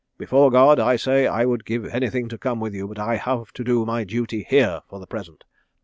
Before God I say I would give anything to come with you, but I have to do my duty here—for the present.